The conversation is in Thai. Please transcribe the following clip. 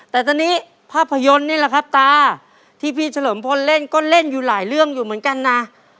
แต่ตอนนี้ภาพยนตร์นี่แหละครับตาที่พี่เฉลิมพลเล่นก็เล่นอยู่หลายเรื่องอยู่เหมือนกันนะ